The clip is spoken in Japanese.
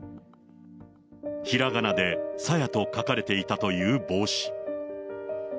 ひらがなで、さやと書かれていたという帽子。